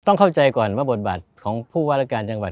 ต้องเข้าใจก่อนว่าบทบาทของผู้ว่ารายการจังหวัด